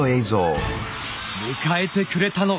迎えてくれたのは。